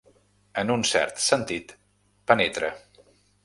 En un cert sentit, penetra.